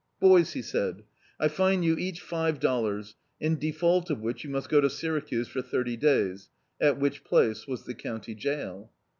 "Boys," he said, "I fine you each five dollars, in de fault of which you must go to Syracuse for thirty days" — at which place was the county jail.